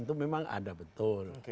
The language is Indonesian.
itu memang ada betul